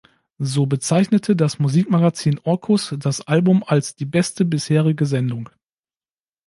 So bezeichnete das Musikmagazin Orkus das Album als „die beste bisherige Sendung“.